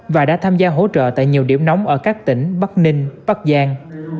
và đã tham gia hỗ trợ tại nhiều điểm nóng ở các tỉnh bắc ninh bắc giang